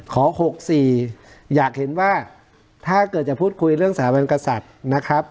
ขอ๖๔อยากเห็นว่าถ้าเกิดจะพูดคุยเรื่องสถาปสรรคศาสตร์นะครับ